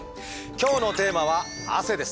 今日のテーマは「汗」です。